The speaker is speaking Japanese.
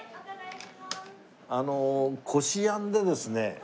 あのこしあんでですね